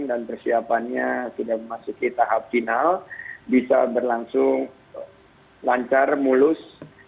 dan persiapannya sudah memasuki tahap final bisa berlangsung lancar mulus